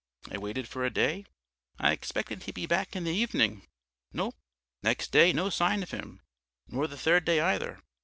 I waited for a day; I expected he'd be back in the evening no. Next day no sign of him, nor the third day either.